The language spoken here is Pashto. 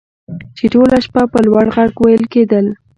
چې ټوله شپه په لوړ غږ ویل کیدل